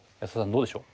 どうでしょう？